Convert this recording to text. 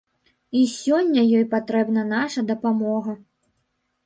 І сёння ёй патрэбна наша дапамога.